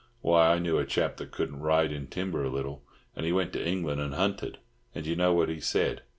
Why, I knew a chap that couldn't ride in timber a little, and he went to England and hunted, and d'you know what he said?